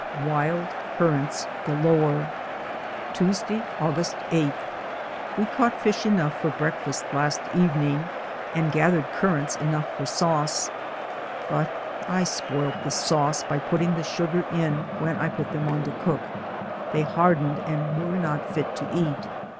WILD CURRANTS GALORE. Tuesday, August 8. We caught fish enough for breakfast last evening, and gathered currants enough for sauce, but I spoilt the sauce by putting the sugar in, when I put them on to cook, they hardened and were not fit to eat.